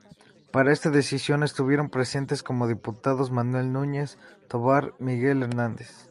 Para esta decisión estuvieron presentes como diputados Manuel Núñez Tovar, Miguel Hernández.